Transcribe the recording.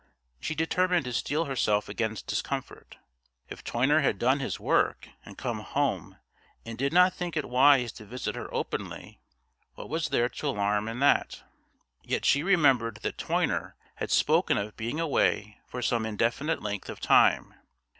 She determined to steel herself against discomfort. If Toyner had done his work and come home and did not think it wise to visit her openly, what was there to alarm in that? Yet she remembered that Toyner had spoken of being away for some indefinite length of time.